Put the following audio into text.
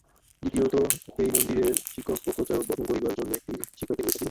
দ্বিতীয়ত এই মন্দিরের সঙ্গে শিক্ষক ও প্রচারক গঠন করিবার জন্য একটি শিক্ষাকেন্দ্র থাকিবে।